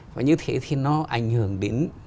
và như thế thì nó ảnh hưởng đến